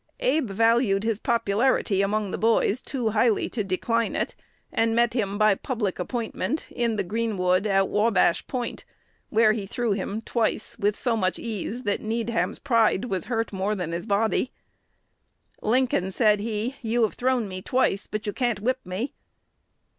Abe valued his popularity among "the boys" too highly to decline it, and met him by public appointment in the "greenwood," at Wabash Point, where he threw him twice with so much ease that Needham's pride was more hurt than his body. "Lincoln," said he, "you have thrown me twice, but you can't whip me."